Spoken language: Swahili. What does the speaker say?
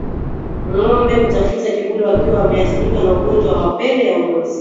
Ngombe hutafuta kivuli wakiwa wameathirika na ugonjwa wa mapele ya ngozi